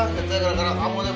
gitu gara gara kamu nek